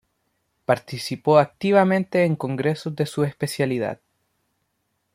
Participó activamente en congresos de su especialidad.